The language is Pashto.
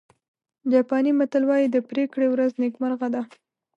جاپاني متل وایي د پرېکړې ورځ نیکمرغه ده.